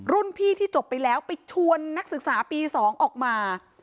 รุ่นพี่ที่จบไปแล้วไปชวนนักศึกษาปี๒ออกมา